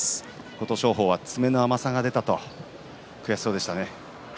琴勝峰は詰めの甘さが出たと悔しそうでした。